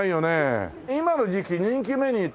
今の時期人気メニューって何？